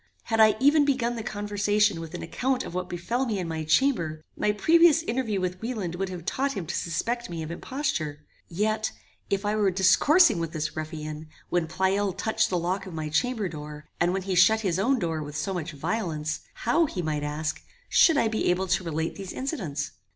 Had I even begun the conversation with an account of what befel me in my chamber, my previous interview with Wieland would have taught him to suspect me of imposture; yet, if I were discoursing with this ruffian, when Pleyel touched the lock of my chamber door, and when he shut his own door with so much violence, how, he might ask, should I be able to relate these incidents?